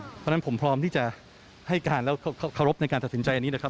เพราะฉะนั้นผมพร้อมที่จะให้การแล้วเคารพในการตัดสินใจอันนี้นะครับ